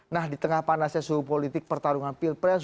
nah di tengah panasnya suhu politik pertarungan pilpres